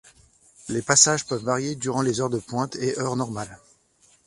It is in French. Les passages peuvent varier durant les heures de pointe et heures normales.